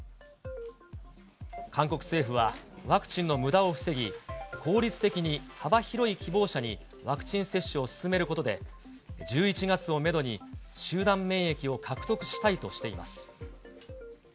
韓国政府は、ワクチンのむだを防ぎ、効率的に幅広い希望者にワクチン接種を進めることで、１１月をメドに集団免疫を獲得したいとしています。